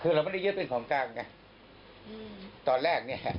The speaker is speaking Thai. คือเราไม่ได้ยึดบริของกาลไง